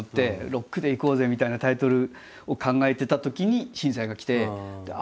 「ロックでいこうぜ」みたいなタイトルを考えてたときに震災がきてあ